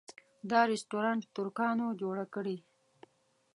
دا رسټورانټ ترکانو جوړه کړې.